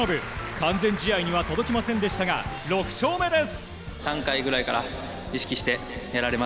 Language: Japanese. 完全試合には届きませんでしたが６勝目です。